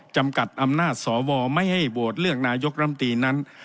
จำกัดอำนาจสวไม่ให้โหวตเลือกนายกรัมตีนั้น